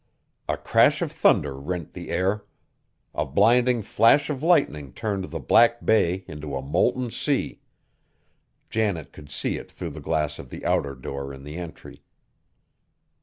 A crash of thunder rent the air! A blinding flash of lightning turned the black bay to a molten sea. Janet could see it through the glass of the outer door in the entry.